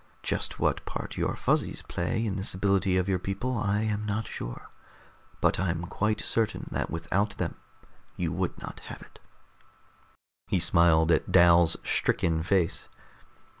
Just what part your Fuzzies play in this ability of your people I am not sure, but I'm quite certain that without them you would not have it." He smiled at Dal's stricken face.